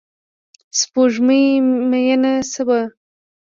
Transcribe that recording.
سپوږمۍ میینه شوه